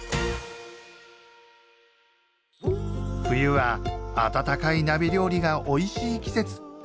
冬は温かい鍋料理がおいしい季節。